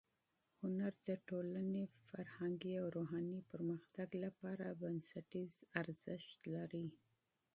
هنر د ټولنې فرهنګي او روحاني پرمختګ لپاره بنسټیز اهمیت لري.